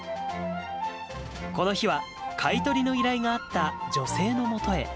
この日は、買い取りの依頼があった女性のもとへ。